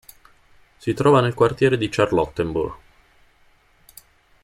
Si trova nel quartiere di Charlottenburg.